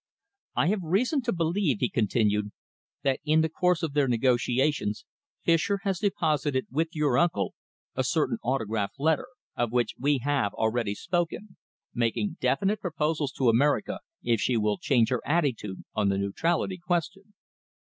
"I have reason to believe," he continued, "that in the course of their negotiations Fischer has deposited with your uncle a certain autograph letter, of which we have already spoken, making definite proposals to America if she will change her attitude on the neutrality question."